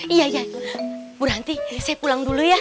iya berhenti saya pulang dulu ya